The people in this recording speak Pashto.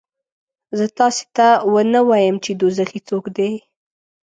زه تاسې ته ونه وایم چې دوزخي څوک دي؟